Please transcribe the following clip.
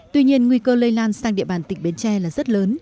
tuy nhiên nguy cơ lây lan sang địa bàn tỉnh bến tre là rất lớn